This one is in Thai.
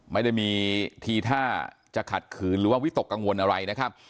ไม่ได้มีทีท่าจะขัดขืนหรือว่าวิตกกังวลอะไรนะครับ